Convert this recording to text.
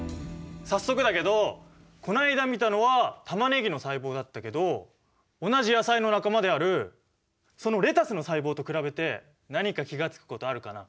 早速だけどこないだ見たのはタマネギの細胞だったけど同じ野菜の仲間であるそのレタスの細胞と比べて何か気が付くことあるかな？